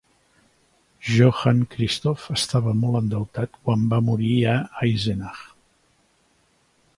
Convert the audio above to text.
Johann Christoph estava molt endeutat quan va morir a Eisenach.